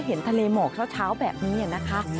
เห็นทะเลหมอกเช้าแบบนี้นะคะ